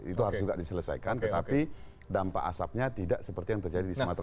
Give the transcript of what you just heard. itu harus juga diselesaikan tetapi dampak asapnya tidak seperti yang terjadi di sumatera